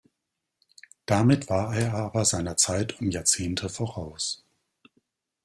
Damit war er aber seiner Zeit um Jahrzehnte voraus.